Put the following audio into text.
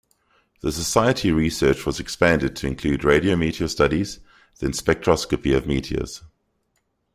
The society research was expanded to include radio meteor studies, then spectroscopy of meteors.